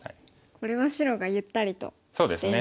これは白がゆったりとしていますね。